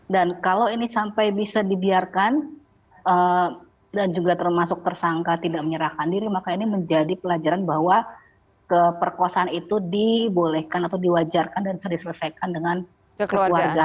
dan kalau ini sampai bisa dibiarkan dan juga termasuk tersangka tidak menyerahkan diri maka ini menjadi pelajaran bahwa keperkuasaan itu dibolehkan atau diwajarkan dan diselesaikan dengan keluarga